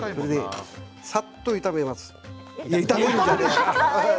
さっと炒めます。